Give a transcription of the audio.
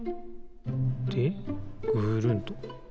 でぐるんと。